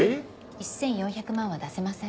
１４００万は出せません。